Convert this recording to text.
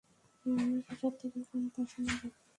আমরা শসার থেকেও কম পয়সা নেব।